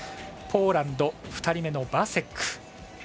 ポーランド、２人目のバセック。